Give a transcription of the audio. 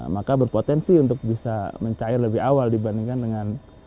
maka berpotensi untuk bisa mencair lebih awal dibandingkan dengan